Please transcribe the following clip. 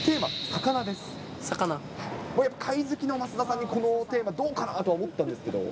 タイ好きの増田さんに、このテーマ、どうかなとは思ったんですけれども。